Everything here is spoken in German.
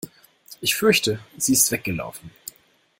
Ich fürchte, sie ist weggelaufen.